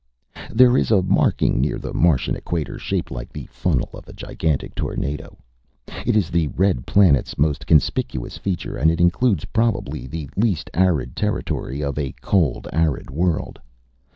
There is a marking near the Martian equator shaped like the funnel of a gigantic tornado. It is the red planet's most conspicuous feature and it includes probably the least arid territory of a cold, arid world.